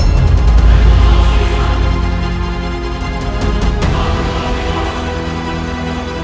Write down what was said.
terima kasih cacing